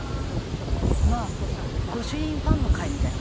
「まあ御朱印ファンの会みたいなもん」